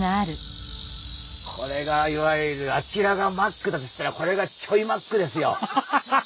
これがいわゆるあちらがマックだとしたらこれがちょいマックですよ。